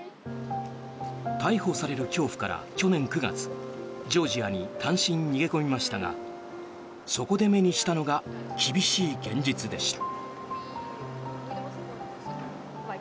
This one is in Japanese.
逮捕される恐怖から去年９月、ジョージアに単身逃げ込みましたがそこで目にしたのが厳しい現実でした。